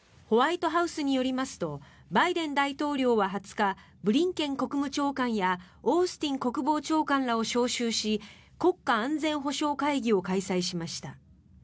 ホワイトハウスによりますとバイデン大統領は２０日ブリンケン国務長官やオースティン国防長官らを招集し国家安全保障会議を開催しました。